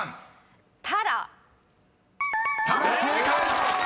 ［「タラ」正解！